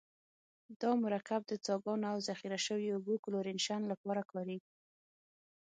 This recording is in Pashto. دا مرکب د څاګانو او ذخیره شویو اوبو کلورینیشن لپاره کاریږي.